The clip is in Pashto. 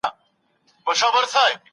پلار ویله د قاضي کمال څرګند سو